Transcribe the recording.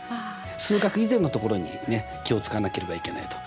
数学以前のところにね気を遣わなければいけないと。